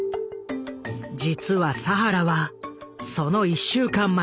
実は佐原はその１週間前